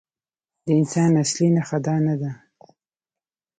د انسان اصلي نښه دا نه ده.